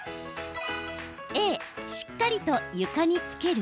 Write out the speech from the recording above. Ａ・しっかりと床につける？